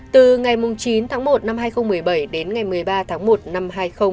từ ngày chín tháng một năm hai nghìn một mươi bảy đến ngày một mươi ba tháng một năm hai nghìn hai mươi